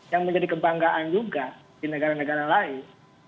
yang menjadi kebanggaan juga di negara negara lain